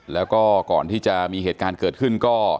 แล้วก็ก่อนที่จะมีเหตุการณ์เกิดขึ้นก็